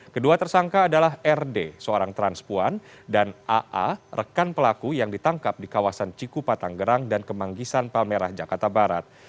kedua tersangka adalah rd seorang transpuan dan aa rekan pelaku yang ditangkap di kawasan cikupa tanggerang dan kemanggisan palmerah jakarta barat